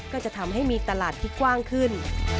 ก็จะทำให้มีตลาดที่กว้างขึ้น